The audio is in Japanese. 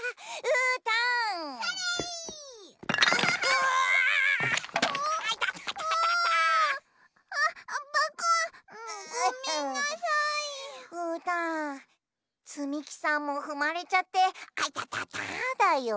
うーたんつみきさんもふまれちゃってあいたただよ。